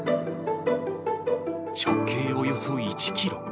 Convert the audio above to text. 直径およそ１キロ。